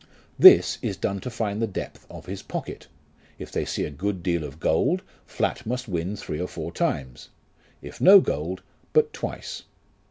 This is done to find the depth of his pocket ; if they see a good deal of gold, flat must win three or four times ; if no gold, but twice.